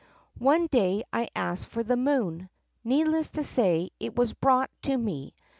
One day I asked for the moon. Needless to say, it was brought to me.